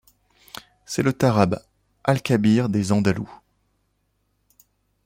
C'est le tarab al-kabir des andalous.